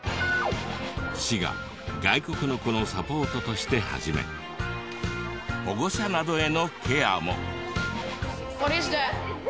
市が外国の子のサポートとして始め保護者などへのケアも。